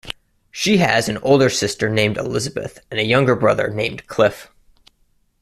She has an older sister named Elizabeth and a younger brother named Cliff.